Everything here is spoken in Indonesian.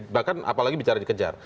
bahkan apalagi bicara dikejar